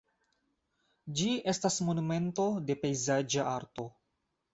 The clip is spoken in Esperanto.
Ĝi estas monumento de pejzaĝa arto.